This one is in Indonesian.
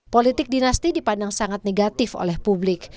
politik dinasti dipandang sangat negatif oleh publik